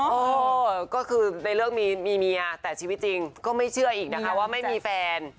เออก็คือในเรื่องมีเมียแต่ชีวิตจริงก็ไม่เชื่ออีกนะคะว่าไม่มีแฟน